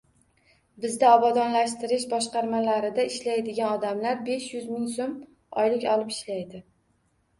Bizda obodonlashtirish boshqarmalarida ishlaydigan odamlar besh yuz ming so‘m oylik olib ishlaydi